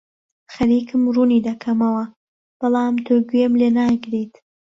خەریکم ڕوونی دەکەمەوە، بەڵام تۆ گوێم لێ ناگریت.